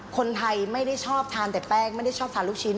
คนไทยไม่ได้ชอบทานแต่แป้งไม่ได้ชอบทานลูกชิ้น